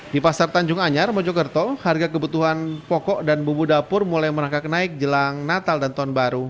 di pasar tanjung anyar mojokerto harga kebutuhan pokok dan bumbu dapur mulai merangkak naik jelang natal dan tahun baru